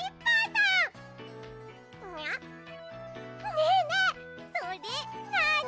ねえねえそれなあに？